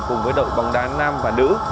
cùng với đội bóng đá nam và nữ